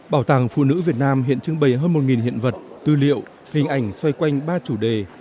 bảo tàng phụ nữ việt nam hiện trưng bày hơn một hiện vật tư liệu hình ảnh xoay quanh ba chủ đề